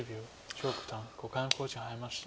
張九段５回目の考慮時間に入りました。